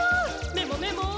メモメモ！